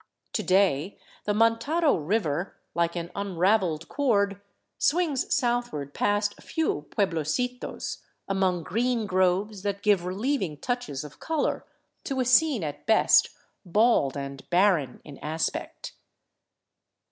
To day the Mantaro river, tike an unravelled cord, swings southward past a few puehlocitos, 338 ROUND ABOUT THE PERUVIAN CAPITAL among green groves that give relieving touches of color to a scene at best bald and barren in aspect.